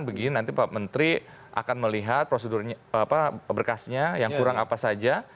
begini nanti pak menteri akan melihat prosedur berkasnya yang kurang apa saja